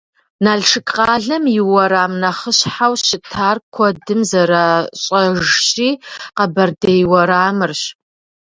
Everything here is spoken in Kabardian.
Налшык къалэм и уэрам нэхъыщхьэу щытар, куэдым зэращӏэжщи, Къэбэрдей уэрамырщ.